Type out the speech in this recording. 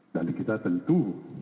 dan kita tentu